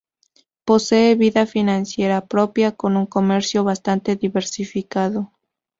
Posee vida financiera propia, con un comercio bastante diversificado.